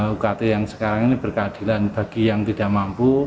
ukt yang sekarang ini berkeadilan bagi yang tidak mampu